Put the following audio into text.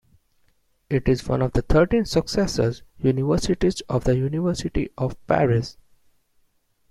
It is one of the thirteen successor universities of the University of Paris.